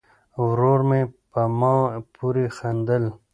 ورور مې په ما پورې خندل.